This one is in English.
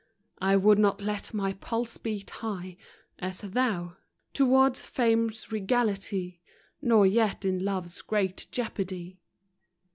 I would not let my pulse beat high, As thou, — toward fame's regality, Nor yet in love's great jeopardy.